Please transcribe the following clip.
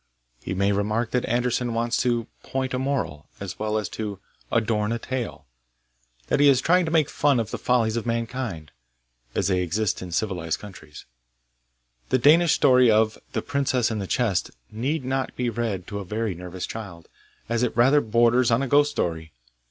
He may remark that Andersen wants to 'point a moral,' as well as to 'adorn a tale; ' that he is trying to make fun of the follies of mankind, as they exist in civilised countries. The Danish story of 'The Princess in the Chest' need not be read to a very nervous child, as it rather borders on a ghost story.